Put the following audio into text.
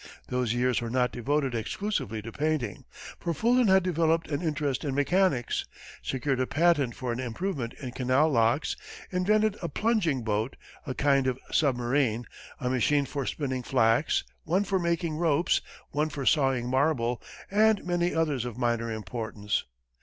Those years were not devoted exclusively to painting, for Fulton had developed an interest in mechanics, secured a patent for an improvement in canal locks, invented a "plunging" boat, a kind of submarine, a machine for spinning flax, one for making ropes, one for sawing marble, and many others of minor importance.